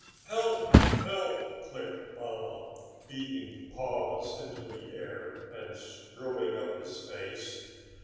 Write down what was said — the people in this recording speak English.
"Help! Help!" clicked Baba, beating paws into the air, and screwing up his face.